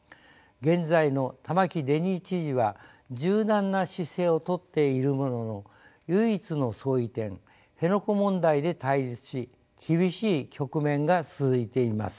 現在の玉城デニー知事は柔軟な姿勢をとっているものの唯一の相違点辺野古問題で対立し厳しい局面が続いています。